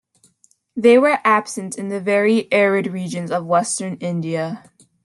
They are absent in the very arid regions of western India.